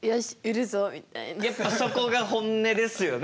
やっぱそこが本音ですよね。